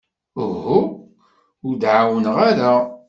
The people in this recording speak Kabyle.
Uhu, ur d-ɛawneɣ ara.